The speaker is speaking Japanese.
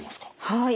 はい。